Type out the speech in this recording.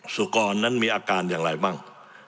สุกรนั้นมีอาการอย่างไรมั่ง